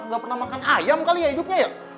gak pernah makan ayam kali ya hidupnya ya